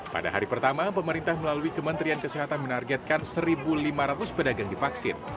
pada hari pertama pemerintah melalui kementerian kesehatan menargetkan satu lima ratus pedagang divaksin